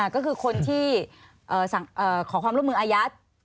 ก็คือคนที่ขอความร่วมมืออายัด